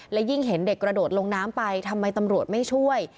และยิ่งเห็นเด็กกระโดดลงน้ำไปทำไมตำรวจไม่ช่วย